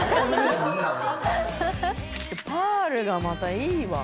パールがまたいいわ。